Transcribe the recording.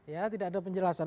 ya tidak ada penjelasan